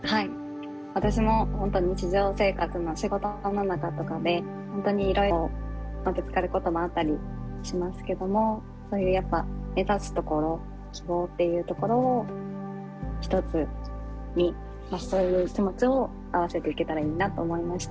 私も本当日常生活の仕事の中とかで本当にいろいろぶつかることもあったりしますけどもそういうやっぱ目指すところ希望っていうところを一つにそういう気持ちを合わせていけたらいいなと思いました。